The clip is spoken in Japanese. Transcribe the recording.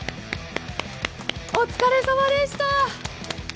お疲れさまでした。